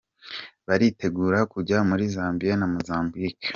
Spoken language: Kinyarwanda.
Baritegura kujya muri Zambia na Mozambique.